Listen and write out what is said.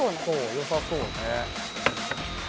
よさそうね。